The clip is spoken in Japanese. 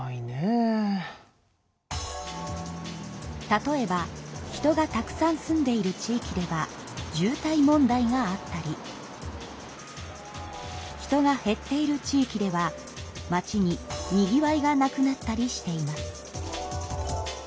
例えば人がたくさん住んでいる地域では渋滞問題があったり人が減っている地域では町ににぎわいがなくなったりしています。